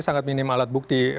sangat minim alat bukti